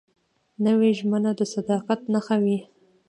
نوې ژمنه د صداقت نښه وي